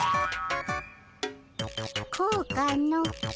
こうかの？